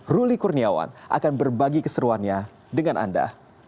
ruli kurniawan akan berbagi keseruannya dengan anda